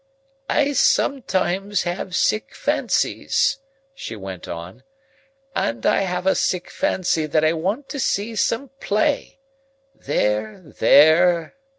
"I sometimes have sick fancies," she went on, "and I have a sick fancy that I want to see some play. There, there!"